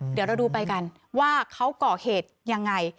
เดี๋ยวเราดูไปกันว่าเขาก่อเหตุยังไง